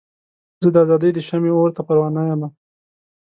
زه د ازادۍ د شمعې اور ته پروانه یمه.